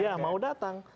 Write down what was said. ya mau datang